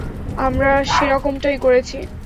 আমরা সেরকমটাই করেছি।